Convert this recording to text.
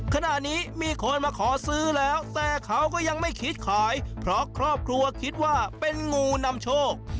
ขณะนี้มีคนมาขอซื้อแล้วแต่เขาก็ยังไม่คิดขายเพราะครอบครัวคิดว่าเป็นงูนำโชค